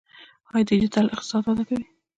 آیا ډیجیټل اقتصاد وده کوي؟